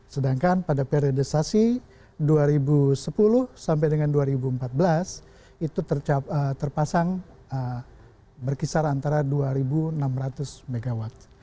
sedangkan pada periodisasi dua ribu sepuluh sampai dengan dua ribu empat belas itu terpasang berkisar antara dua enam ratus mw